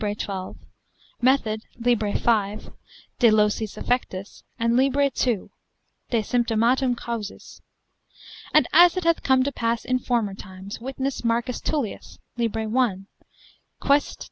12, method, lib. 5, de locis affectis, and lib. 2, de symptomatum causis. And as it hath come to pass in former times, witness Marcus Tullius, lib. 1, Quaest.